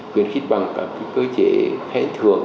khuyên khích bằng các cái cơ chế hệ thường